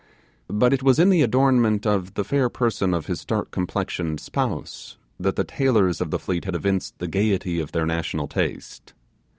But it was in the adornment of the fair person of his dark complexioned spouse that the tailors of the fleet had evinced the gaiety of their national taste.